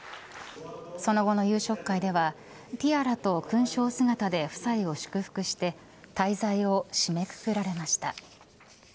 その後の夕食会ではティアラと勲章姿で夫妻を祝福して滞在を締めくくられました。